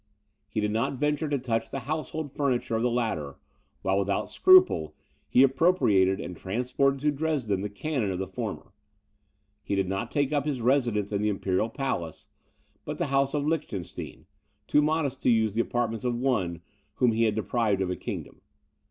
He did not venture to touch the household furniture of the latter, while, without scruple, he appropriated and transported to Dresden the cannon of the former. He did not take up his residence in the imperial palace, but the house of Lichtenstein; too modest to use the apartments of one whom he had deprived of a kingdom.